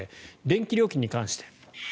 電気料金に関して。